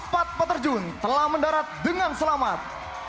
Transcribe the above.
paterjun telah mendarat dengan selamat